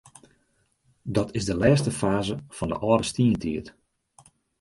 Dat is de lêste faze fan de âlde stientiid.